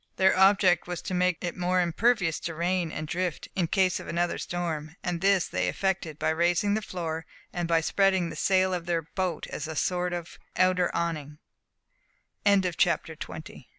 Their object was to make it more impervious to rain and drift, in case of another storm; and this they effected by raising the floor, and by spreading the sail of their boat as a sort of o